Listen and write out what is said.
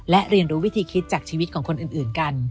และเรียนรู้วิธีคิดจากชีวิตของคนอื่นกัน